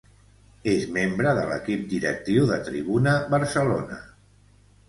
És membre de l'equip directiu de Tribuna Barcelona.